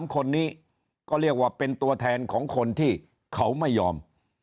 ๓คนนี้ก็เรียกว่าเป็นตัวแทนของคนที่เขาไม่ยอม